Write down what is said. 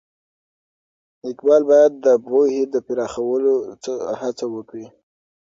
اقبال باید د پوهې د پراخولو هڅه وکړي.